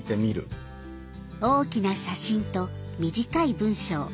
大きな写真と、短い文章。